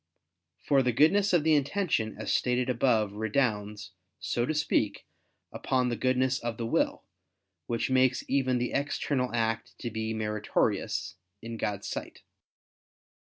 For the goodness of the intention, as stated above, redounds, so to speak, upon the goodness of the will, which makes even the external act to be meritorious in God's sight.